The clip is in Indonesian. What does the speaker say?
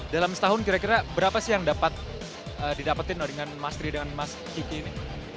dalam setahun kira kira berapa sih yang dapat didapetin dengan mas tri dengan mas kiki ini